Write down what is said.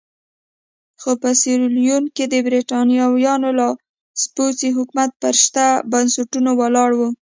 خو په سیریلیون کې د برېټانویانو لاسپوڅی حکومت پر شته بنسټونو ولاړ وو.